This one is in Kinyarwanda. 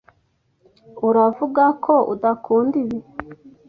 Uravuga ko udakunda ibi?